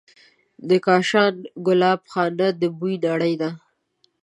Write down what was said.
د کاشان ګلابخانه د بوی نړۍ ده.